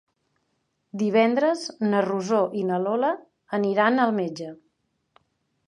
Divendres na Rosó i na Lola aniran al metge.